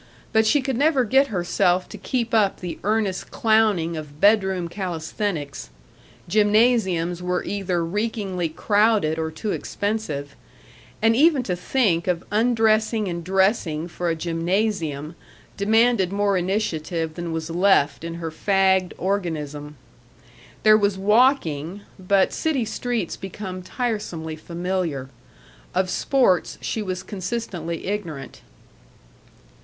But she could never get herself to keep up the earnest clowning of bedroom calisthenics; gymnasiums were either reekingly crowded or too expensive and even to think of undressing and dressing for a gymnasium demanded more initiative than was left in her fagged organism. There was walking but city streets become tiresomely familiar. Of sports she was consistently ignorant.